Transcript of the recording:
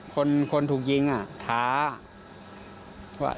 คนถูกยิงอะท้า